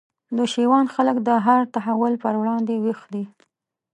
د شېوان خلک د هر تحول پر وړاندي ویښ دي